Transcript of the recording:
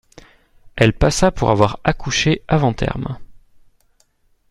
Elle passa pour avoir accouché avant terme.